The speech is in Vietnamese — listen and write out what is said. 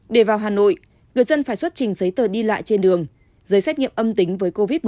để vào hà nội người dân phải xuất trình giấy tờ đi lại trên đường giấy xét nghiệm âm tính với covid một mươi chín